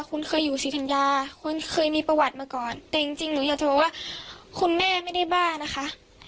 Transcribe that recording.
คุณเคยอยู่ศรีธัญญาคุณเคยมีประวัติมาก่อนแต่จริงหนูอยากจะโทรว่าคุณแม่ไม่ได้บ้านะคะ